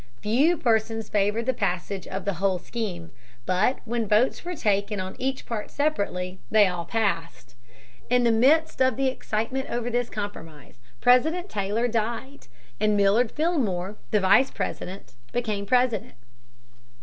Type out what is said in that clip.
Few persons favored the passage of the whole scheme. But when votes were taken on each part separately, they all passed. In the midst of the excitement over this compromise President Taylor died, and Millard Fillmore, the Vice President, became President.